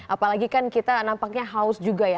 apalagi kan kita nampaknya haus juga ya